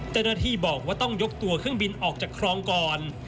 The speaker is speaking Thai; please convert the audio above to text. เจ้าหน้าที่บอกว่าต้องยกตัวเครื่องบินออกจากคลองก่อน